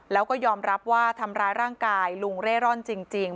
แล้วก็ยอมรับว่าทำร้ายร่างกายลุงเร่ร่อนจริง